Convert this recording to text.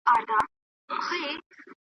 زما اصلي ګناه به دا وي چي زه خر یم .